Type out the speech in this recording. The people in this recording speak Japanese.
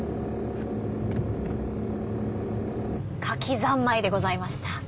「カキ三昧」でございました！